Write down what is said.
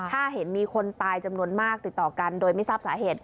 ถ้าเห็นมีคนตายจำนวนมากติดต่อกันโดยไม่ทราบสาเหตุ